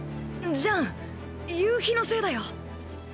ジャン夕日のせいだよ。